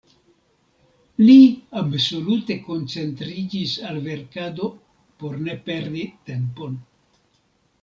Li absolute koncentriĝis al verkado por ne perdi tempon.